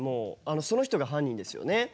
その人が犯人ですよね。